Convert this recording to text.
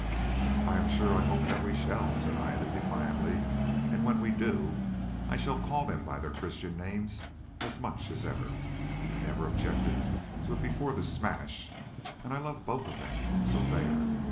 "I am sure I hope that we shall," said Ida defiantly, "and when we do I shall call them by their Christian names as much as ever. You never objected to it before the smash, and I love both of them, so there!